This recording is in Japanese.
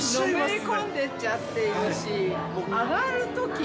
◆のめり込んでっちゃっているし上がるとき。